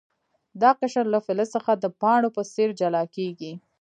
دا قشر له فلز څخه د پاڼو په څیر جلا کیږي.